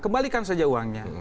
kembalikan saja uangnya